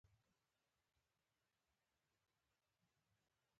څخه د خوراکي شيانو نه ډک دستارخوان طلب کړو